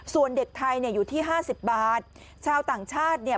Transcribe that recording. ส่วนเด็กไทยเนี่ยอยู่ที่ห้าสิบบาทชาวต่างชาติเนี่ย